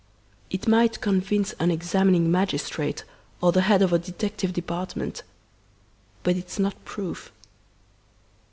It might convince an examining magistrate or the head of a detective department, but it's not proof.